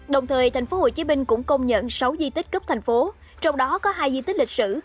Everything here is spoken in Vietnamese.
đồng thời tp hcm cũng công nhận sáu di tích cấp thành phố trong đó có hai di tích lịch sử